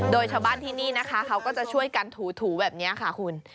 โดยชาวบ้านที่นี่นะคะเขาก็จะช่วยกันถูแบบนี้ค่ะคุณ